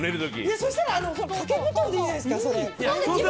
そしたら掛け布団でいいじゃないですか。